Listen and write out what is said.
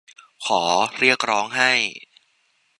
ขอเรียกร้องให้